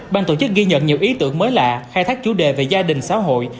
ban tổ chức ghi nhận nhiều ý tưởng mới lạ khai thác chủ đề về gia đình xã hội